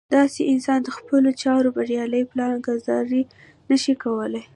داسې انسان د خپلو چارو بريالۍ پلان ګذاري نه شي کولی.